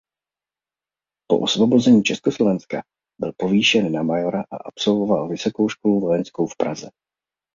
Po osvobození Československa byl povýšen na majora a absolvoval Vysokou školu vojenskou v Praze.